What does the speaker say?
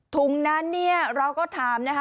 ถุงนั้นเราก็ถามนะฮะ